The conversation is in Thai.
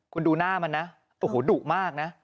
คุณดูหน้ามันนะโอ้โหดุมากนะ